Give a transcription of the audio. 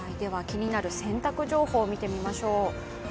気になる洗濯情報、見ていきましょう。